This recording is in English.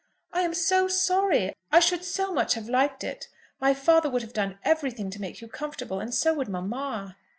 "I am so sorry! I should so much have liked it. My father would have done everything to make you comfortable, and so would mamma."